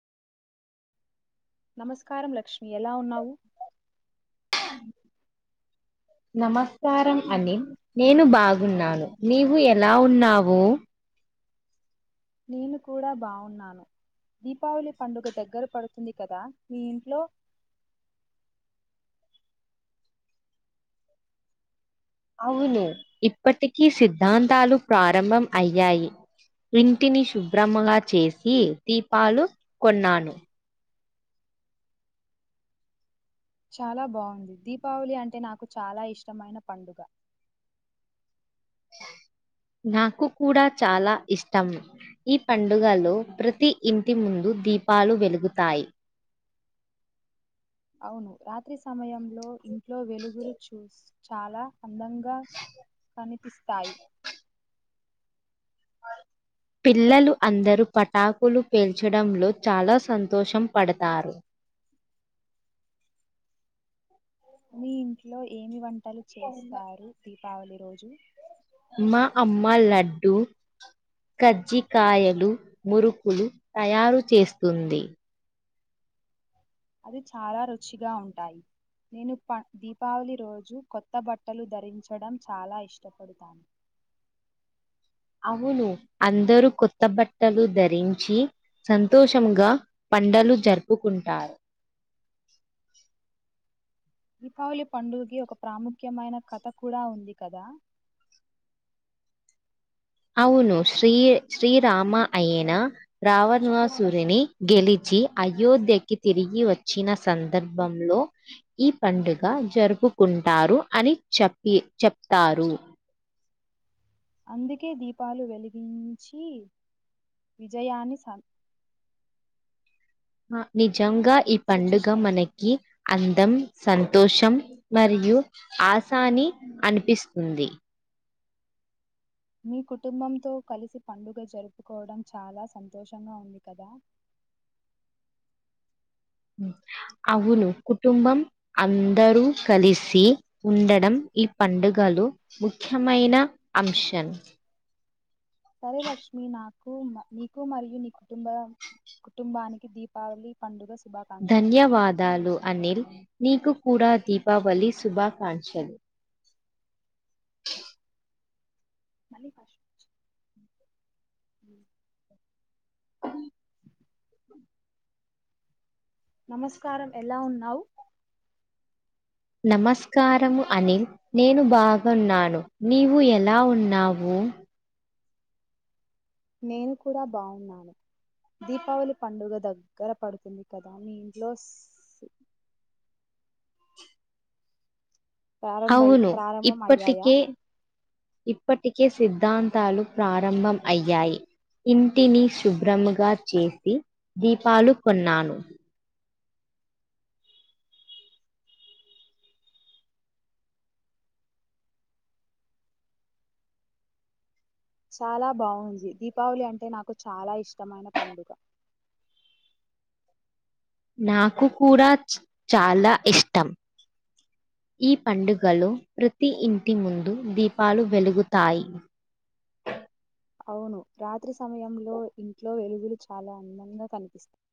నమస్కారం లక్ష్మి ఎలా ఉన్నావు నమస్కారం అనిల్ నేను బాగున్నాను నీవు ఎలా ఉన్నావు నేను కూడా బావున్నాను దీపావళి పండుగ దగ్గర పడుతుంది కదా మీ ఇంట్లో అవును ఇప్పటికీ సిద్ధాంతాలు ప్రారంభం అయ్యాయి ఇంటిని శుభ్రమగా చేసి దీపాలు కొన్నాను చాలా బావుంది దీపావళి అంటే నాకు చాలా ఇష్టమైన పండుగ నాకు కూడా చాలా ఇష్టం. ఈ పండుగ లో ప్రతి ఇంటి ముందు దీపాలు వెలుగుతాయి అవును రాత్రి సమయంలో ఇంట్లో వెలుగులు చూసి చాలా అందంగా కనిపిస్తు స్తాయి పిల్లలు అందరూ పటాకులు పేల్చడంలో చాలా సంతోషం పడతారు. మీ ఇంట్లో ఏమి వం వంటలు చేస్తారు దీప్ దీపావళి రోజు మా అమ్మ లడ్డు కజ్జికాయలు మురుకులు తయారు చేస్తుంది అవి చాలా రుచిగా ఉంటాయి నేను ప దీపావళి రోజు కొత్త బట్టలు ధరించడం చాలా ఇష్టపడతాను అవును అందరూ కొత్త బట్టలు ధరించి సంతోషంగా పండలు జరుపుకుంటారు దీపావళి పండుగకి ఒక ప్రాముఖ్యమైన కథ కూడా ఉంది కదా అవును శ్రీ శ్రీరామ అయిన రావనివాసుడిని గెలిచి అయోధ్యకి తిరిగి వచ్చిన సందర్భంలో ఈ పండుగ జరుపుకుంటారు. అని చెప్పి చెప్తారు అందుకే దీపాలు వెలిగించి విజయాన్ని అ నిజం నిజంగా ఈ పండుగ సూచిస్తారు మనకి అందం సంతోషం మరియు ఆశాని అనిపిస్తుంది. మీ కుటుంబంతో కలిసి పండుగ జరుపుకోవడం చాలా సంతోషంగా ఉంది. కదా అవును కుటుంబం అందరూ కలిసి ఉండడం ఈ పండుగలు ముఖ్యమైన అంశం సరే లక్ష్మి నాకు నీకు మరియు నీ కుటుంబ కుటుంబానికి దీపావళి పండుగ శుభ ధన్యవాదాలు అనిల్ నీకు కూడా దీపావళి శుభాకాంక్షలు మళీ భాష ఉచ్చు నమస్కారం ఎలా ఉన్నావు నమస్కారము అనిల్ నేను బాగున్నాను. నీవు ఎలా ఉన్నావు. నేను కూడా బాగున్నాను. దీపావళి పండుగ దగ్గర పడుతుంది కదా మీ ఇంట్లో ప్రారంభై అవును. ప్రారంభం అయ్యాయా ఇప్పటికే ఇప్పటికే సిద్ధాంతాలు ప్రారంభం అయ్యాయి. ఇంటిని శుభ్రముగా చేసి దీపాలు కొన్నాను. చాలా బాగుంది. దీపావళి అంటే నాకు చాలా ఇష్టమైన పండుగ నాకు కూడా చాలా ఇష్టం. ఈ పండుగలో ప్రతి ఇంటి ముందు దీపాలు వెలుగుతాయి. అవును రాత్రి సమయంలో ఇంట్లో వెలుగులు చాలా అందంగా కనిపిస్తాయి.